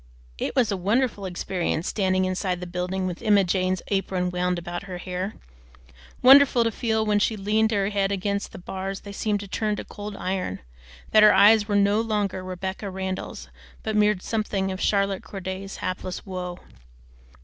It was a wonderful experience standing inside the building with Emma Jane's apron wound about her hair; wonderful to feel that when she leaned her head against the bars they seemed to turn to cold iron; that her eyes were no longer Rebecca Randall's but mirrored something of Charlotte Corday's hapless woe.